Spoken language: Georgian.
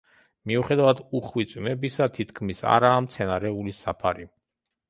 მიუხედავად უხვი წვიმებისა, თითქმის არაა მცენარეული საფარი.